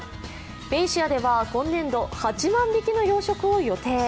ベイシアでは、今年度、８万匹の養殖を予定。